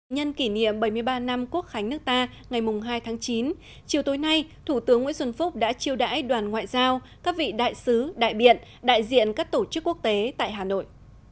nhân kỷ niệm bảy mươi ba năm quốc khánh nước ta ngày hai tháng chín chiều tối nay thủ tướng nguyễn xuân phúc đã chiêu đãi đoàn ngoại giao các vị đại sứ đại biện đại diện các tổ chức quốc tế tại hà nội